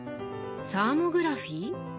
サーモグラフィー？